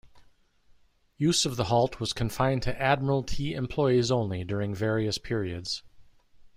Use of the halt was confined to Admiralty employees only during various periods.